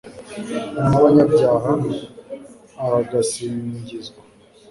n'abanyabyaha, aragasingizwa